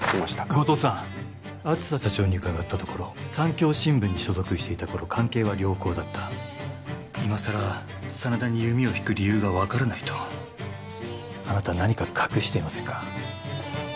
後藤さん梓社長に伺ったところ産教新聞に所属していた頃関係は良好だった今さら真田に弓を引く理由が分からないとあなた何か隠していませんか？